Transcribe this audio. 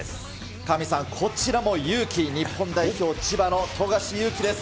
カミさん、こちらもゆうき、日本代表、千葉の富樫勇樹です。